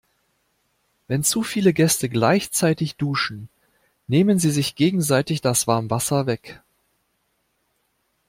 Wenn zu viele Gäste gleichzeitig duschen, nehmen sie sich gegenseitig das Warmwasser weg.